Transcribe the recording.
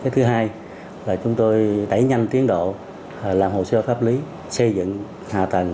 thứ hai là chúng tôi đẩy nhanh tiến độ làm hồ sơ pháp lý xây dựng hạ tầng